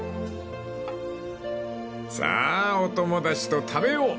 ［さあお友達と食べよう］